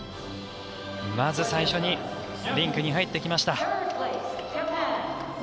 まず最初にリンクに入ってきました。